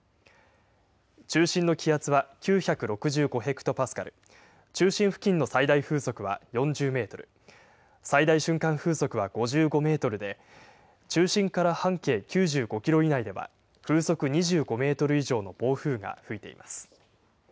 中心の気圧は９６５ヘクトパスカル、中心付近の最大風速は４０メートル、最大瞬間風速は５５メートルで、中心から半径９５キロ以内では風速２５メートル以上の暴風が吹いています。